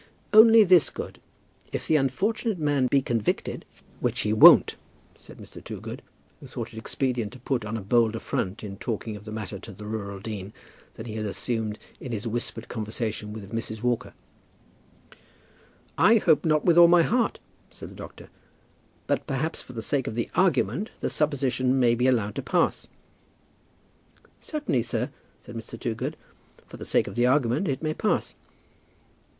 "Only this good: if the unfortunate man be convicted " "Which he won't," said Mr. Toogood, who thought it expedient to put on a bolder front in talking of the matter to the rural dean, than he had assumed in his whispered conversation with Mrs. Walker. "I hope not, with all my heart," said the doctor. "But, perhaps, for the sake of the argument, the supposition may be allowed to pass." "Certainly, sir," said Mr. Toogood. "For the sake of the argument, it may pass."